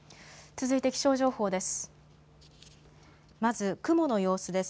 続いて気象情報です。